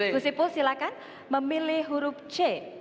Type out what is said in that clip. gus ipul silahkan memilih huruf c